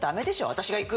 私が行く！